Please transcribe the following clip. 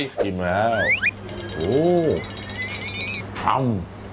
กินแล้วโอ้ทำ